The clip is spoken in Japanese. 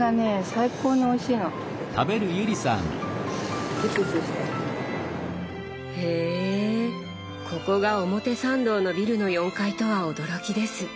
最高においしいの。へここが表参道のビルの４階とは驚きです。